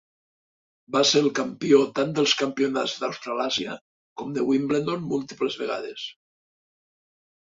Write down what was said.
Va ser el campió tant dels campionats d'Australàsia com de Wimbledon múltiples vegades.